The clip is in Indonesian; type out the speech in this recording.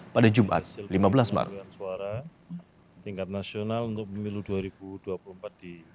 pada jumat lima belas maret